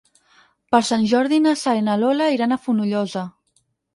Per Sant Jordi na Sara i na Lola iran a Fonollosa.